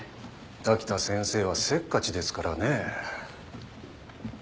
滝田先生はせっかちですからねぇ。